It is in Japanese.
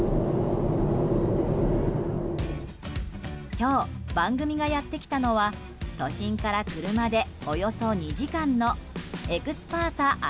今日、番組がやってきたのは都心から車でおよそ２時間のＥＸＰＡＳＡ